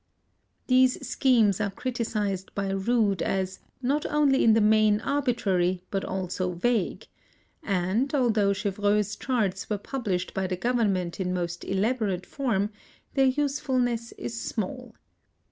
These schemes are criticised by Rood as "not only in the main arbitrary, but also vague"; and, although Chevreul's charts were published by the government in most elaborate form, their usefulness is small.